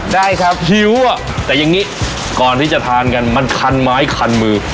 ได้ครับหิวอ่ะแต่อย่างนี้ก่อนที่จะทานกันมันคันไม้คันมือ